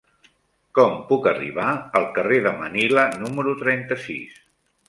Com puc arribar al carrer de Manila número trenta-sis?